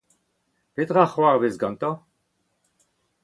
petra a c'hoarvez gantañ ?